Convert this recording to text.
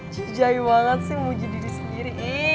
cijai banget sih menguji diri sendiri